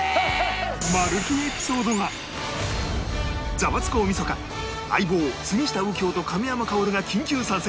『ザワつく！大晦日』『相棒』杉下右京と亀山薫が緊急参戦！